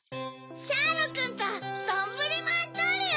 シャーロくんとどんぶりまんトリオ！